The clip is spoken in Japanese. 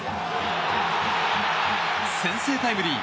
先制タイムリー。